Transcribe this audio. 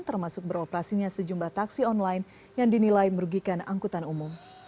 termasuk beroperasinya sejumlah taksi online yang dinilai merugikan angkutan umum